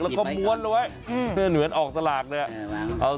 แล้วเขาม้วนเอาไว้เหมือนว่าเนื้อนออกสลากเนี่ย